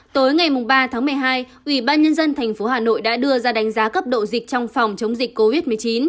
tối ngày ba một mươi hai ubnd tp hà nội đã đưa ra đánh giá cấp độ dịch trong phòng chống dịch covid một mươi chín